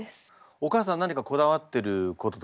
お母さん何かこだわってることとかありますか？